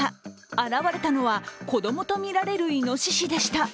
現れたのは子供とみられるいのししでした。